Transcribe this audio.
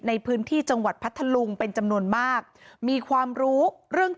ในพื้นที่จังหวัดพัทธลุงเป็นจำนวนมากมีความรู้เรื่อง